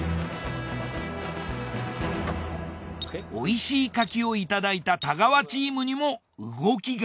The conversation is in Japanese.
おいしい柿をいただいた太川チームにも動きが。